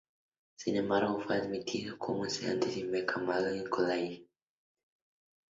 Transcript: Sin embargo, fue admitido como estudiante sin beca en el Magdalen College.